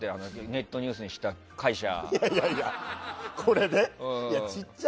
ネットニュースにした会社。